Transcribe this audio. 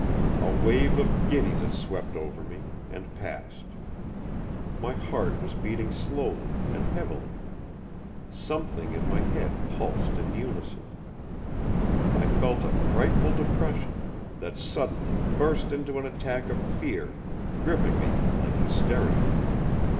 A wave of giddiness swept over me, and passed. My heart was beating slowly and heavily. Something in my head pulsed in unison. I felt a frightful depression, that suddenly burst into an attack of fear gripping me like hysteria.